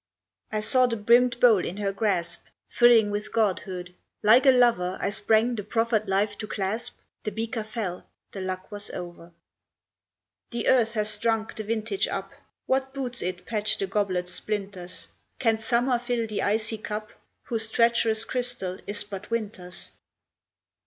I saw the brimmed bowl in her grasp Thrilling with godhood; like a lover I sprang the proffered life to clasp; The beaker fell; the luck was over. The Earth has drunk the vintage up; What boots it patch the goblet's splinters? Can Summer fill the icy cup, Whose treacherous crystal is but Winter's?